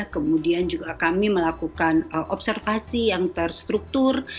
kemudian juga kami melakukan observasi yang terstruktur